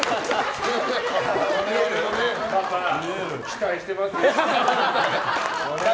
期待してますよ。